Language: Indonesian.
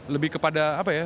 lebih kepada apa ya